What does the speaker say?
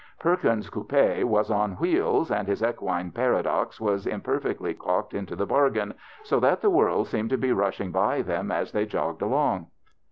Perkins's coupe was on wheels, and his equine paradox was im perfectly caulked into the bargain, so that the world seemed to be rushing by them as they jogged along.